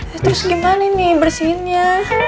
terus gimana ini bersihinnya